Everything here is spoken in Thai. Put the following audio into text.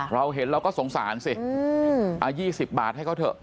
เราเห็นเราก็สงสารสิเอา๒๐บาทให้เขาเถอะ